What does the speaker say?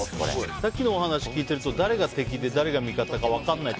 さっきのお話を聞いていると誰が敵で誰が味方か分からないって